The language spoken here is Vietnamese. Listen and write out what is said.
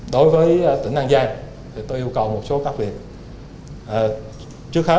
đối với tỉnh an giang tôi yêu cầu một số các việc